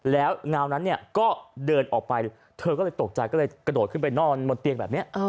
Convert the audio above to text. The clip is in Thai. แล้วเงานั้นเนี่ยก็เดินออกไปเธอก็เลยตกใจก็เลยกระโดดขึ้นไปนอนบนเตียงแบบนี้